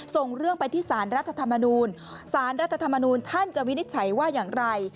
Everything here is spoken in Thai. ส่งเรื่องไปที่สารรัฐธรรมนูลสารรัฐธรรมนูลท่านจะวินิจฉัยว่าอย่างไร